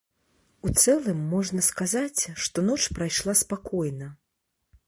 У цэлым можна сказаць, што ноч прайшла спакойна.